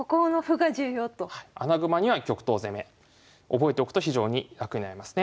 覚えておくと非常に楽になりますね。